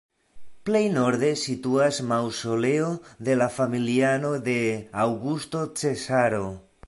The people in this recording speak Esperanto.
Plej norde situas maŭzoleo de la familianoj de Aŭgusto Cezaro.